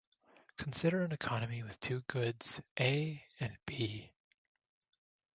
Consider an economy with two goods, A and B.